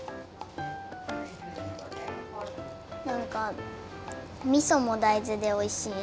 なんかみそも大豆でおいしい！